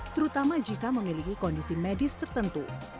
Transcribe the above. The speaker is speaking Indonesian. terutama jika memiliki kondisi medis tertentu